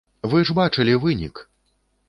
Вы ж бачылі вынік!